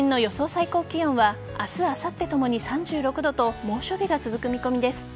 最高気温は明日あさってともに３６度と猛暑日が続く見込みです。